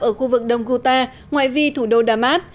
ở khu vực đông kuta ngoại vi thủ đô đa mát